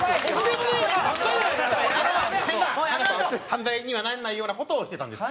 犯罪にはならないような事をしてたんです。